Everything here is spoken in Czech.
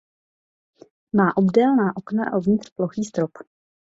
Má obdélná okna a uvnitř plochý strop.